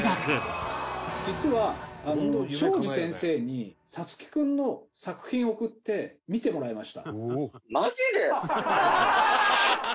実は東海林先生に颯喜君の作品を送って見てもらいました。